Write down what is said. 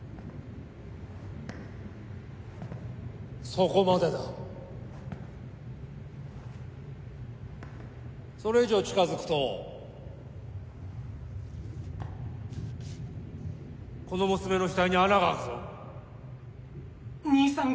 そこまでだそれ以上近づくとこの娘の額に穴が開くぞ兄さん